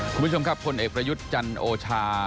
คุณผู้ชมครับพลเอกประยุทธ์จันโอชา